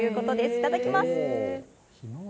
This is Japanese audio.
いただきます。